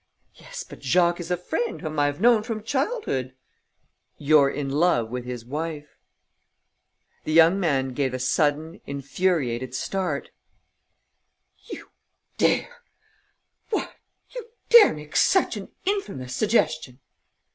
"Yes, but Jacques is a friend whom I have known from childhood." "You're in love with his wife." The young man gave a sudden, infuriated start: "You dare!... What! You dare make such an infamous suggestion?"